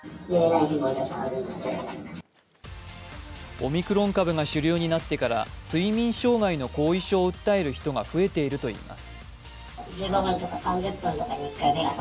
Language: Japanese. オミクロン株が主流になってから睡眠障害の後遺症を訴える人が増えているといいます。